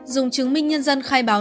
dùng chứng minh nhân dân khai báo